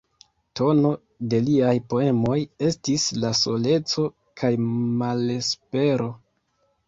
Tono de liaj poemoj estis la soleco kaj malespero.